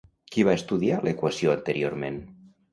Qui va estudiar l'equació anteriorment?